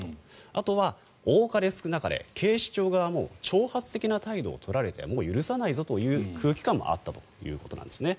あとは多かれ少なかれ警視庁側も挑発的な態度を取られてもう許さないぞという空気感もあったということなんですね。